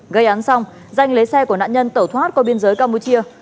gây án xong danh lấy xe của nạn nhân tẩu thoát qua biên giới campuchia